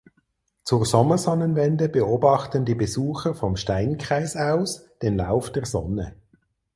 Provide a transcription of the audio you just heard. Zur Sommersonnenwende beobachten die Besucher vom Steinkreis aus den Lauf der Sonne.